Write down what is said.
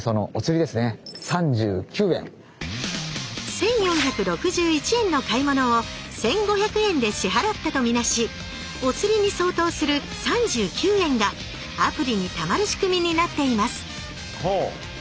１，４６１円の買い物を１，５００円で支払ったと見なし「おつり」に相当する３９円がアプリにたまる仕組みになっています